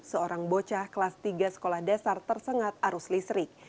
seorang bocah kelas tiga sekolah dasar tersengat arus listrik